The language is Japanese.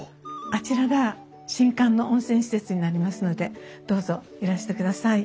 あちらが新館の温泉施設になりますのでどうぞいらしてください。